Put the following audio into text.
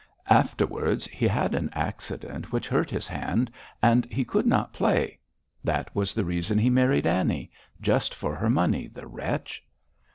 Afterwards he had an accident which hurt his hand, and he could not play; that was the reason he married Annie just for her money, the wretch!'